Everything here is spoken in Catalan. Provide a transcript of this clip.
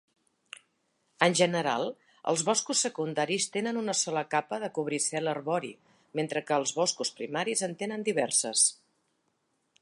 En general, els boscos secundaris tenen una sola capa de cobricel arbori, mentre que els boscos primaris en tenen diverses.